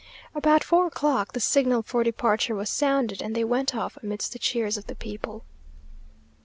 About four o'clock the signal for departure was sounded, and they went off amidst the cheers of the people.